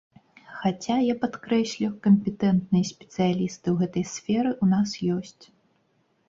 Хаця, я падкрэслю, кампетэнтныя спецыялісты ў гэтай сферы ў нас ёсць.